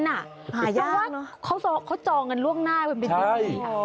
เพราะว่าเขาจองเรื่องร่วงหน้าเวลาจะเป็นเท่านี้